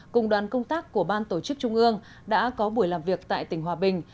cùng đoàn công tác của ban tổ chức trung ương đã có buổi làm việc tại tỉnh hòa bình